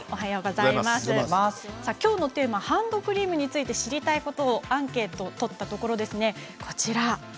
きょうのテーマはハンドクリームについて知りたいことをアンケート取ったところこちらです。